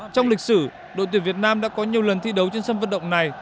trong lịch sử đội tuyển việt nam đã có nhiều lần thi đấu trên sân vận động này